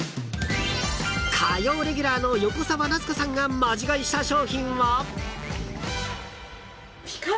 ［火曜レギュラーの横澤夏子さんがマジ買いした商品は］